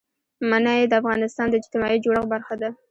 منی د افغانستان د اجتماعي جوړښت برخه ده.